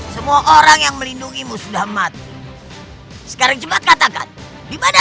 semua orang yang melindungimu sudah mati sekarang jumat katakan gimana